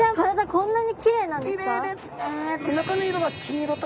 こんなにきれいなんですか？